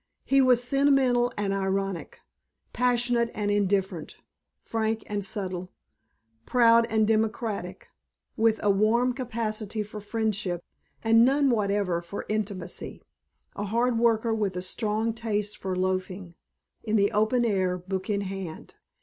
He was sentimental and ironic, passionate and indifferent, frank and subtle, proud and democratic, with a warm capacity for friendship and none whatever for intimacy, a hard worker with a strong taste for loafing in the open country, book in hand.